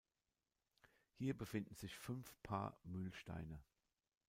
Hier befinden sich fünf Paar Mühlsteine.